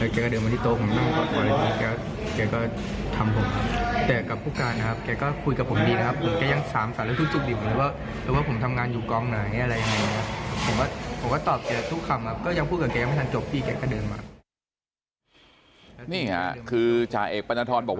เจอกับผู้การนะครับเขาก็คุยกับผมดีนะครับ